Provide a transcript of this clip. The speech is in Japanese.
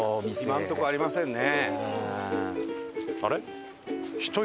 今のとこありませんね。